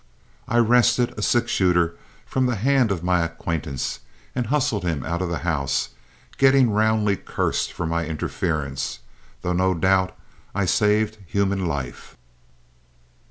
I wrested a six shooter from the hand of my acquaintance and hustled him out of the house, getting roundly cursed for my interference, though no doubt I saved human life.